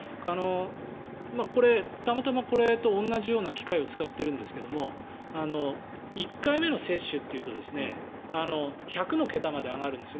これ、たまたま同じようなものをつかんでるんですけど１回目の接種というと１００の桁まで上がるんです。